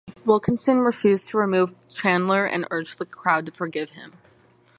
Wilkinson refused to remove Chandler and urged the crowd to forgive him.